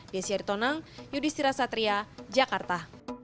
biesyaritonong yudi shirasatria jakarta